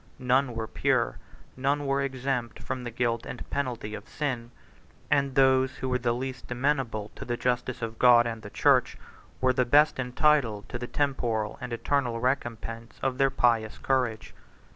None were pure; none were exempt from the guilt and penalty of sin; and those who were the least amenable to the justice of God and the church were the best entitled to the temporal and eternal recompense of their pious courage.